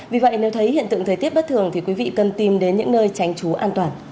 vì vậy nếu thấy hiện tượng thời tiết bất thường thì quý vị cần tìm đến những nơi tránh trú an toàn